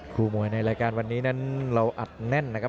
มวยในรายการวันนี้นั้นเราอัดแน่นนะครับ